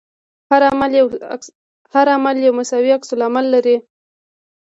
هر عمل یو مساوي عکس العمل لري.